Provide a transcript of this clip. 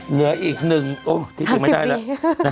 เหนืออีกหนึ่งโอ๊ยที่สิไม่ได้แล้ว